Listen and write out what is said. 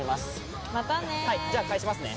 じゃ返しますね。